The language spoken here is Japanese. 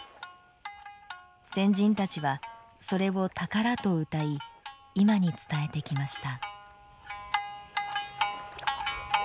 先人たちはそれを宝とうたい、今に伝えてきました。